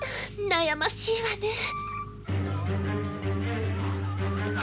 悩ましいわねえ。